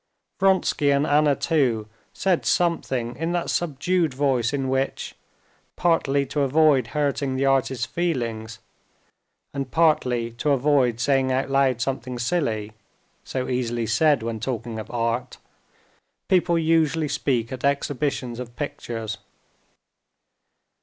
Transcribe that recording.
Vronsky and Anna too said something in that subdued voice in which, partly to avoid hurting the artist's feelings and partly to avoid saying out loud something silly—so easily said when talking of art—people usually speak at exhibitions of pictures.